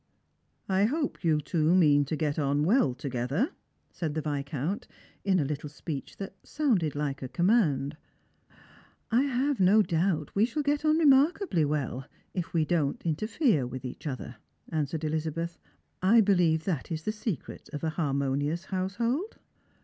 "I hope you two mean to get on well together," said the Viscount, in a little speech that sounded like a command. "I have no doubt we shall get on remarkably well — if we don't interfere with each other," answered Elizabeth. " I believe that is the secret of a harmonious household."